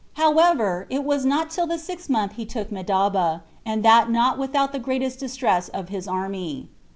However, it was not till the sixth month that he took Medaba, and that not without the greatest distress of his army.